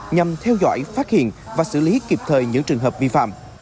nhằm theo dõi phát hiện và xử lý kịp thời những trường hợp vi phạm